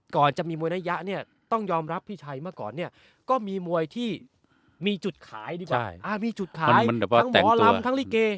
ก่อนจะมีมวยระยะเนี่ยต้องยอมรับพี่ชัยเมื่อก่อนเนี่ยก็มีมวยที่มีจุดขายดีกว่ามีจุดขายทั้งหมอลำทั้งลิเก